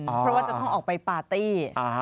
เพราะว่าจะต้องออกไปปาร์ตี้